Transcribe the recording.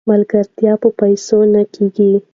ملګرتیا په پیسو نه کیږي.